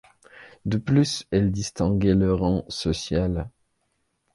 De plus, elle distinguait le rang social.